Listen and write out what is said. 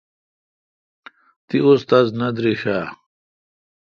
تی استا ذ نہ دریݭ آ؟